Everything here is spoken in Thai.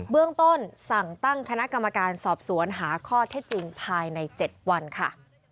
เรื่องต้นสั่งตั้งคณะกรรมการสอบสวนหาข้อเท็จจริงภายใน๗วันค่ะ